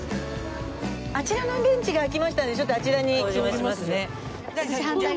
あちらのベンチが空きましたのでちょっとあちらに。